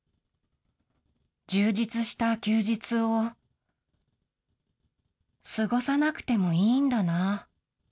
充実した休日を過ごさなくてもいいんだな。